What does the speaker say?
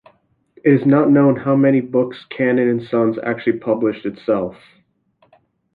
It is not known how many books Cannon and Sons actually published itself.